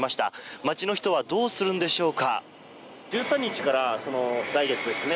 街の人はどうするんでしょうか。